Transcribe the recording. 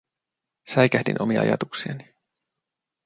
Säikähdin omia ajatuksiani.